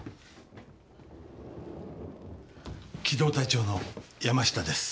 機動隊長の山下です。